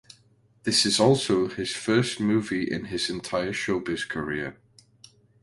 This is also his first movie in his entire showbiz career.